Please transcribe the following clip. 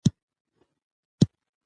په دښته کې اوبه نه وې.